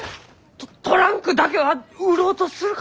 トランクだけは売ろうとするかもしれん！